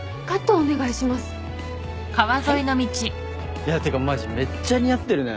いやてかマジめっちゃ似合ってるね。